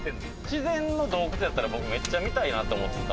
自然の洞窟やったら僕めっちゃ見たいなと思ってた。